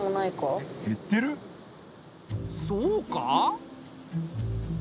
そうか？